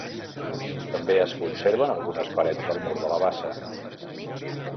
També es conserven algunes parets del mur de la bassa.